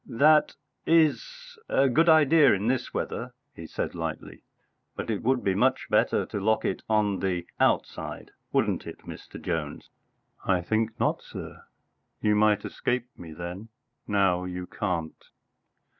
"That is a good idea in this weather," he said lightly, "but it would be much better to lock it on the outside, wouldn't it, Mr. Jones?" "I think not, sir. You might escape me then. Now you can't."